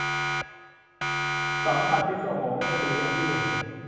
สัมผัสพิศวง - ตรี อภิรุม